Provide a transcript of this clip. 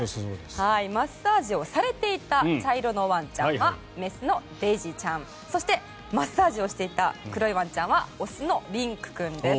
マッサージをされていた茶色のワンちゃんは雌のデイジーちゃんそしてマッサージをしていた黒いワンちゃんは雄のリンク君です。